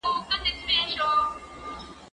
زه کولای سم سیر وکړم!!